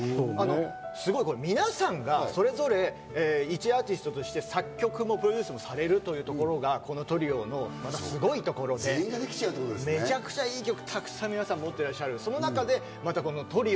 満を持してみたいなところがありますし、皆さんがそれぞれ、いちアーティストとして、作曲もプロデュースもされるというところがこのトリオのすごいところで、めちゃくちゃいい曲をたくさん皆さん持ってらっしゃる。